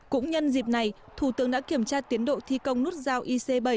cũng nhân dịp này thủ tướng đã kiểm tra tiến độ thi công nút giao ic bảy